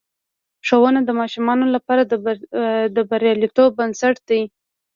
ښوونه د ماشومانو لپاره د بریالیتوب بنسټ دی.